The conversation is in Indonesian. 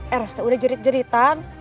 eros teh udah jerit jeritan